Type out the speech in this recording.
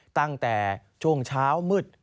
ตั้งแต่ช่วงเช้ามืด